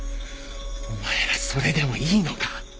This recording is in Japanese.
お前らそれでもいいのか？